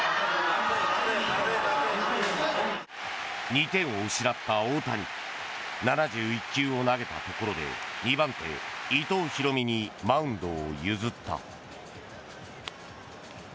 ２点を失った大谷７１球を投げたところで２番手、伊藤大海にマウンドを譲った。